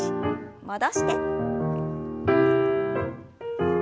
戻して。